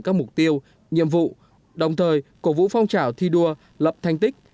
các mục tiêu nhiệm vụ đồng thời cổ vũ phong trào thi đua lập thanh tích